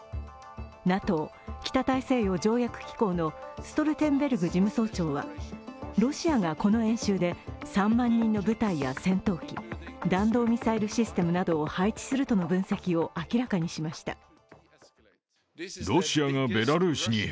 ＮＡＴＯ＝北大西洋条約機構のストルテンベルグ事務総長はロシアがこの演習で３万人の部隊や戦闘機、弾道ミサイルシステムなどを配置するとの分析を明らかにしました。